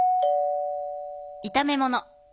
炒め物。